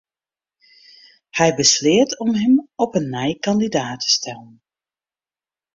Hy besleat om him op 'e nij kandidaat te stellen.